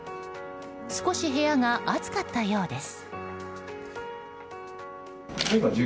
少し部屋が暑かったようです。